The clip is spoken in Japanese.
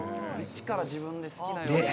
１から自分で好きなように。